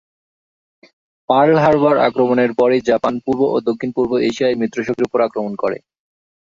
Pearl Harbor আক্রমণের পরই Japan পূর্ব ও দক্ষিণ-পূর্ব এশিয়ায় মিত্রশক্তির উপর আক্রমণ করে।